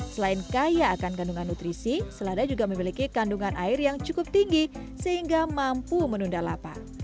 selain kaya akan kandungan nutrisi selada juga memiliki kandungan air yang cukup tinggi sehingga mampu menunda lapar